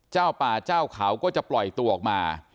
เจ้าป่าเจ้าเขาก็จะปล่อยตัวออกมา